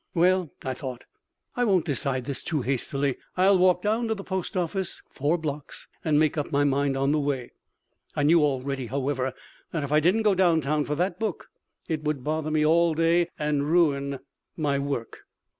Well, I thought, I won't decide this too hastily; I'll walk down to the post office (four blocks) and make up my mind on the way. I knew already, however, that if I didn't go downtown for that book it would bother me all day and ruin my work.